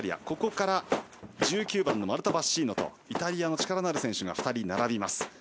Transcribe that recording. ここから１９番のマルタ・バッシーノとイタリアの力のある選手が２人並びます。